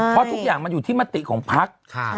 เพราะทุกอย่างมันอยู่ที่มติของพัก